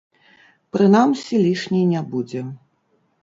Прынамсі, лішняй не будзе.